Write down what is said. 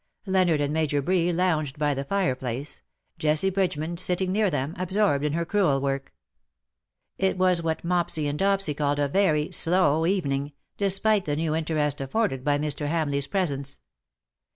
Leonard and Major Bree lounged by the fireplace, Jessie Bridgeman sitting near them, absorbed in her crewel work. It w^as what Mopsy and Dopsy called a very " slow^'' evening, despite the new interest afforded by Mr. Hamleigh's presence.